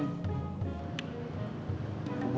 buat kacang hijau